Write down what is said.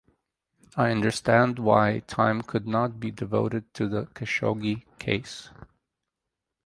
I understand why time could not be devoted to the Khashoggi case.